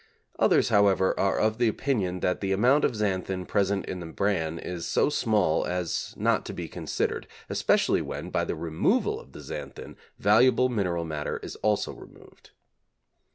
Others, however, are of the opinion that the amount of xanthin present in the bran is so small as not to be considered, especially when, by the removal of the xanthin, valuable mineral matter is also removed.